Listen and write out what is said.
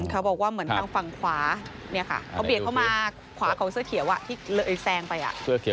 เค้าบอกว่าเหมือนทางฝั่งขวาเขาบิ่งเข้ามาขวาเขาเข้าเสื้อเขียวที่เดินไอ้แซงไป